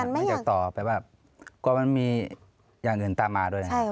ไม่อยากตอบแปลว่ามันมีอย่างอื่นตามมาด้วย